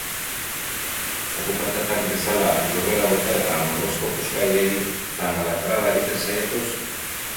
Zaku patatak bezala lurrera bota eta morrosko puska haiei zangalatraba egiten saiatuz?